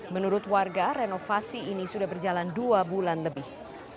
menurut warga renovasi ini sudah berjalan dua bulan lebih